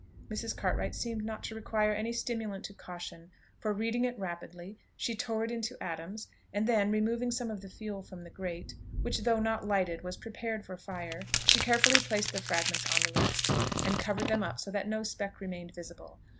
Mrs. Cartwright seemed not to require any stimulant to caution, for reading it rapidly, she tore it into atoms, and then, removing some of the fuel from the grate, which though not lighted was prepared for fire, she carefully placed the fragments on the rest, and covered them up so that no speck remained visible.